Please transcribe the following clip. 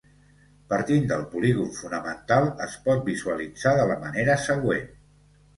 Partint del polígon fonamental, es pot visualitzar de la manera següent.